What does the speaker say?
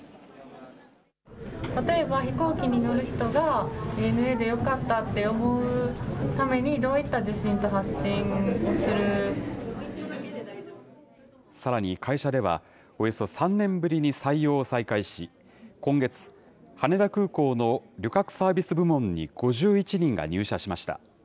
例えば、飛行機に乗る人がＡＮＡでよかったと思うために、さらに会社では、およそ３年ぶりに採用を再開し、今月、羽田空港の旅客サービス部門に５１人が入社しました。